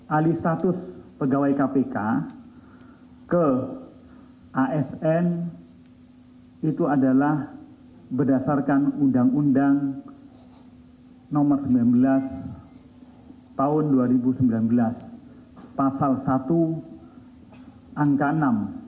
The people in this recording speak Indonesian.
alih status pegawai kpk ke asn itu adalah berdasarkan undang undang nomor sembilan belas tahun dua ribu sembilan belas pasal satu angka enam